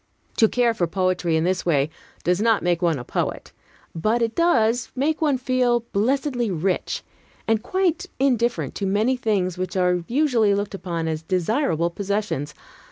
To care for poetry in this way does not make one a poet, but it does make one feel blessedly rich, and quite indifferent to many things which are usually looked upon as desirable possessions.